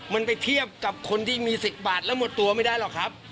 มันไปเทียบกับคนที่มี๑๐บาทแล้วหมดตัวไม่ได้หรอกครับ